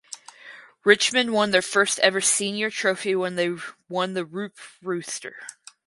Richmond won their first ever senior trophy when they won the Roope Rooster.